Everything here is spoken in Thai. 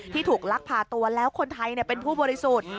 ถูกลักพาตัวแล้วคนไทยเป็นผู้บริสุทธิ์